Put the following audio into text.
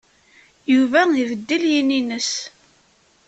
Yuba ibeddel yini-nnes.